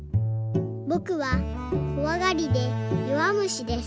「ぼくはこわがりでよわむしです。